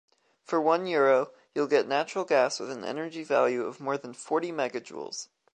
For one Euro, you’ll get natural gas with an energy value of more than forty mega joules.